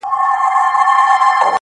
کنې دوى دواړي ويدېږي ورځ تېرېږي,